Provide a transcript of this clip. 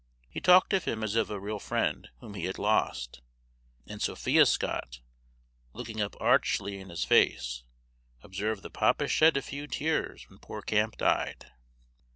He talked of him as of a real friend whom he had lost, and Sophia Scott, looking up archly in his face, observed that Papa shed a few tears when poor Camp died.